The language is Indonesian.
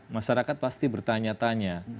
masyarakat pasti bertanya tanya